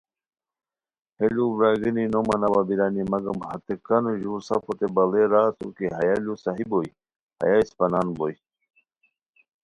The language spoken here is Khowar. ہے لوؤ برارگینی نو ماناوا بیرانی مگم ہتےکانو ژور سفوتے باڑے را اسورکی ہیہ لو صحیح بوئے ہیہ اسپہ نان بوئے